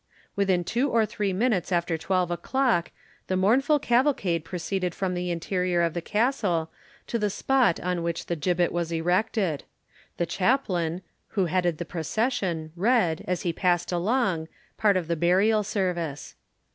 Within two or three minutes after 12 o'clock the mournful cavalcade proceeded from the interior of the Castle to the spot on which the gibbet was erected. The chaplain, who headed the procession, read, as he passed along, part of the burial service.